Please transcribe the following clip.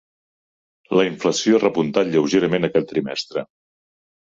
La inflació ha repuntat lleugerament aquest trimestre.